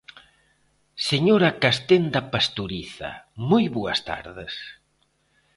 Señora Castenda Pastoriza, moi boas tardes.